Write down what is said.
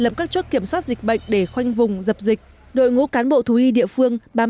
lấm các chốt kiểm soát dịch bệnh để khoanh vùng dập dịch đội ngũ cán bộ thú y địa phương bám